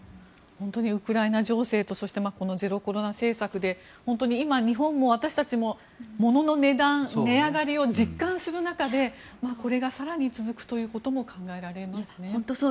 本当にウクライナ情勢とこのゼロコロナ政策で本当に今、日本も私たちも物の値段、値上がりを実感する中でこれが更に続くということも考えられますね。